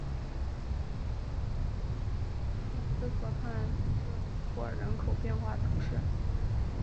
默兹河畔热尼库尔人口变化图示